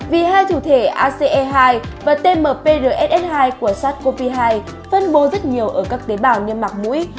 vì hai thụ thể ace hai và tmprss hai của sars cov hai phân bố rất nhiều ở các tế bào niêm mặt mũi